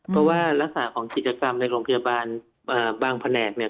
เพราะว่ารักษณะของกิจกรรมในโรงพยาบาลบางแผนกเนี่ย